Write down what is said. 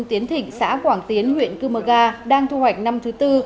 tiến thịnh xã quảng tiến huyện cư mơ ga đang thu hoạch năm thứ tư